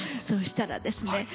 そしたらですね